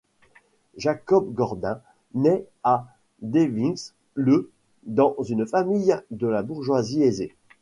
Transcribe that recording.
Jacob Gordin naît à Dvinsk le dans une famille de la bourgeoise aisée.